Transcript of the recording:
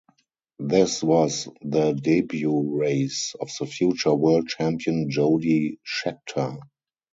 This was the debut race of the future world champion Jody Scheckter.